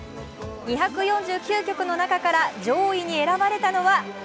２４９曲の中から上位に選ばれたのは？